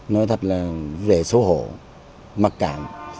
nói thật là vẻ xấu hổ mặc cảm